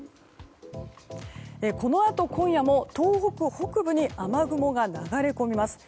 このあと今夜も東北北部に雨雲が流れ込みます。